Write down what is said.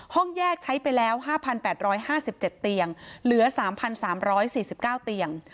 ห้องแยกใช้ไปแล้ว๕๘๕๗เตียงเหลือ๓๓๔๙เตียง